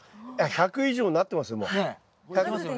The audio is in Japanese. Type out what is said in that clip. １００以上なってますよ